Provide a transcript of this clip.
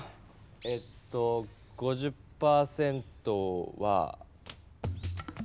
えっと５０％はは。